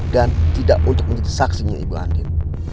dan tidak untuk menjadi saksinya ibu andin